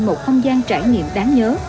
một không gian trải nghiệm đáng nhớ